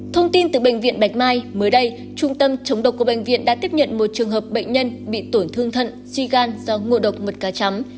thông tin từ bệnh viện bạch mai mới đây trung tâm chống độc của bệnh viện đã tiếp nhận một trường hợp bệnh nhân bị tổn thương thận suy gan do ngộ độc mật cá chấm